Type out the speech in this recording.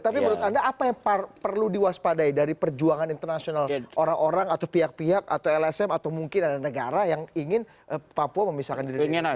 tapi menurut anda apa yang perlu diwaspadai dari perjuangan internasional orang orang atau pihak pihak atau lsm atau mungkin ada negara yang ingin papua memisahkan diri